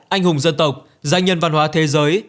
anh hùng dân tộc danh nhân văn hóa thế giới